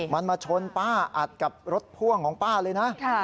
มันมาชนป้าอัดกับรถพ่วงของป้าเลยนะ